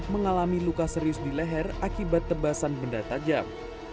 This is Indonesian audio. mengalami luka serius di leher akibat tebasan benda tajam